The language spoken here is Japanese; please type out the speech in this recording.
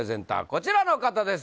こちらの方です